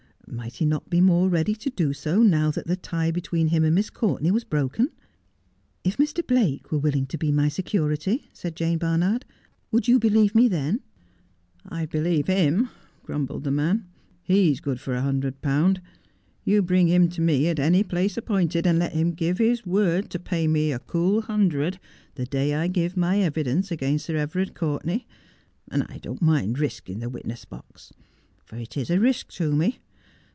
Might he not be more ready to do so now that the tie between him and Miss Courtenay was broken 1 ' If Mr. Blake were willing to be my security,' said Jane Barnard, ' would you believe me then 1 '' I'd believe him,' grumbled the man. ' He's good for a hundred pound. You bring him to me at any place appointed, and let him give his word to pay me a cool hundred the day I give my evidence against Sir Everard Courtenay, and I don't mind risking the witness box. For it is a risk to me.